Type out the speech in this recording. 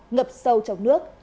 ngập sâu trong nước